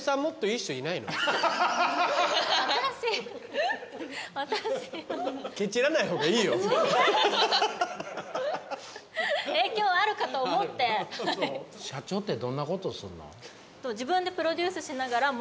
社長ってどんなことすんの？